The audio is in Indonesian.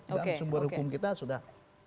dan sumber hukum kita sudah